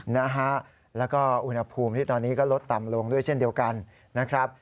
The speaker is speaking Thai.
นะฮะแล้วก็อุณหภูมิที่ตอนนี้ก็ลดต่ำลงด้วยเช่นเดียวกันนะครับ